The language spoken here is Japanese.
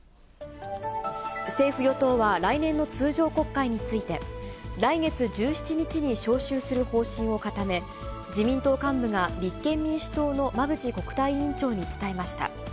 政府・与党は、来年の通常国会について、来月１７日に召集する方針を固め、自民党幹部が立憲民主党の馬淵国対委員長に伝えました。